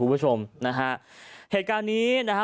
คุณผู้ชมนะฮะเหตุการณ์นี้นะฮะ